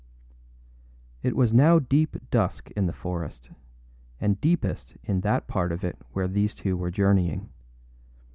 It was now deep dusk in the forest, and deepest in that part of it where these two were journeying.